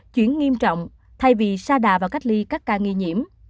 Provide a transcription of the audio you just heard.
chuyển nghiêm trọng thay vì xa đà vào cách ly các ca nghi nhiễm